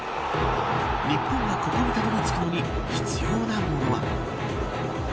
日本が、ここにたどり着くのに必要なものは。